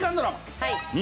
はい。